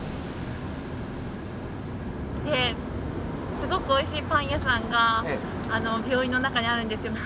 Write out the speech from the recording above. すごくおいしいパン屋さんが病院の中にあるんですよ。